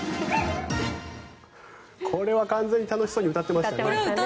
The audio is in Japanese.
これは完全に楽しそうに歌ってましたね。